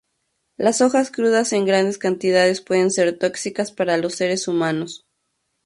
Las hojas crudas en grandes cantidades pueden ser tóxicas para los seres humanos.